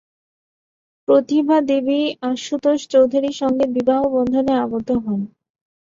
প্রতিভা দেবী আশুতোষ চৌধুরীর সঙ্গে বিবাহ বন্ধনে আবদ্ধ হন।